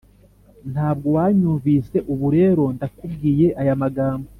ntabwo wanyumvise, ubu rero ndakubwiye aya magambo ..